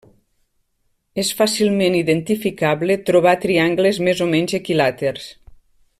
És fàcilment identificable trobar triangles més o menys equilàters.